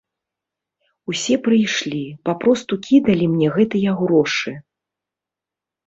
Усе прыйшлі, папросту кідалі мне гэтыя грошы.